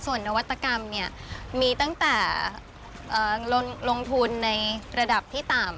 ส่วนนวัตกรรมเนี่ยมีตั้งแต่ลงทุนในระดับที่ต่ำ